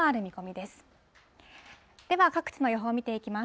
では各地の予報見ていきます。